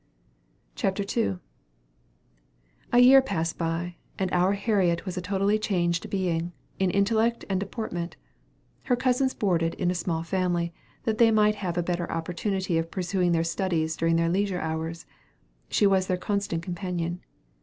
CHAPTER II. A year passed by, and our Harriet was a totally changed being, in intellect and deportment. Her cousins boarded in a small family, that they might have a better opportunity of pursuing their studies during their leisure hours. She was their constant companion.